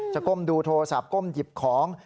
ก้มดูโทรศัพท์ก้มหยิบของ